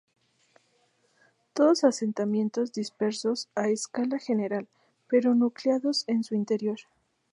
Todos asentamientos dispersos a escala general, pero nucleados en su interior.